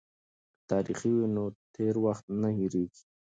که تاریخ وي نو تیر وخت نه هیریږي.